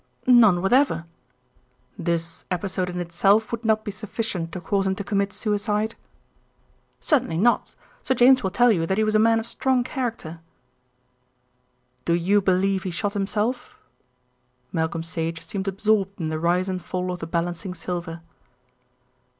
"None whatever." "This episode in itself would not be sufficient to cause him to commit suicide?" "Certainly not. Sir James will tell you that he was a man of strong character." "Do you believe he shot himself?" Malcolm Sage seemed absorbed in the rise and fall of the balancing silver.